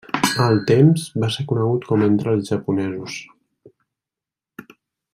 Al temps, va ser conegut com entre els japonesos.